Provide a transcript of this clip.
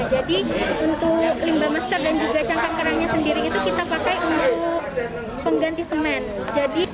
jadi untuk limbah masker dan juga cangkang kerangnya sendiri itu kita pakai untuk pengganti semen